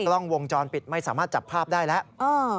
กล้องวงจรปิดไม่สามารถจับภาพได้แล้ว